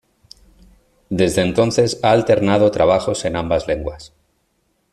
Desde entonces ha alternado trabajos en ambas lenguas.